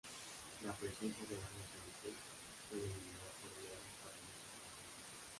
La presencia de baños unisex puede eliminar problemas para muchas personas.